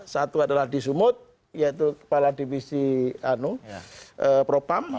satu adalah di sumut yaitu kepala divisi propam